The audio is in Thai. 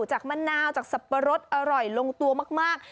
มะนาวจากสับปะรดอร่อยลงตัวมาก